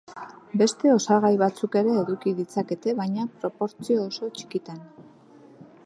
Beste osagai batzuk ere eduki ditzakete baina proportzio oso txikitan.